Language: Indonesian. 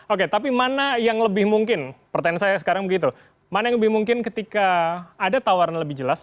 oke tapi mana yang lebih mungkin pertanyaan saya sekarang begitu mana yang lebih mungkin ketika ada tawaran lebih jelas